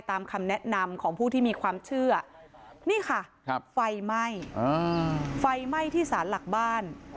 คำแนะนำของผู้ที่มีความเชื่อนี่ค่ะไฟไหม้ไฟไหม้ที่สารหลักบ้าน